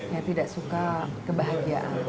yang tidak suka kebahagiaan